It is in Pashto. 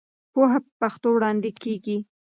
پوهه په پښتو وړاندې کېږي.